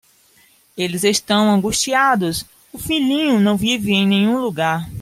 Eles estão angustiados, o filhinho não vive em nenhum lugar.